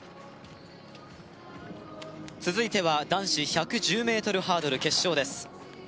続いては男子１１０ｍハードル決勝です